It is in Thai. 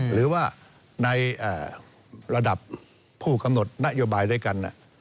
หรือว่าในระดับผู้กำหนดนโยบายด้วยกัน